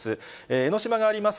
江の島があります